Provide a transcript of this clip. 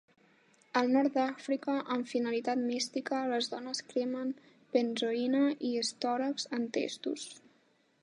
Al Nord d'Àfrica, amb finalitat mística, les dones cremen benzoïna i storax en testos.